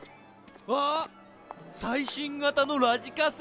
あ最新型のラジカセ。